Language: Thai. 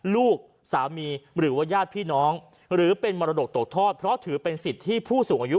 ลูกสามีหรือว่าญาติพี่น้องหรือเป็นมรดกตกทอดเพราะถือเป็นสิทธิ์ที่ผู้สูงอายุ